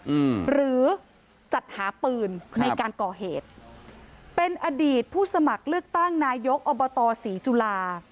อืมหรือจัดหาปืนในการก่อเหตุเป็นอดีตผู้สมัครเลือกตั้งนายกอบตศรีจุฬา